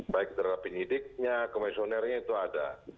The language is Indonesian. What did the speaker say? baik terhadap penyidiknya komisionernya itu ada